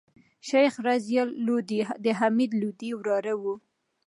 شېخ رضي لودي دحمید لودي وراره وو.